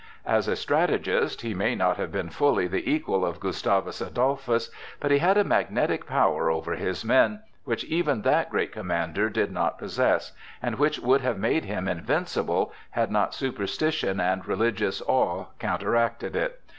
As a strategist, he may not have been fully the equal of Gustavus Adolphus, but he had a magnetic power over his men which even that great commander did not possess, and which would have made him invincible, had not superstition and religious awe counteracted it.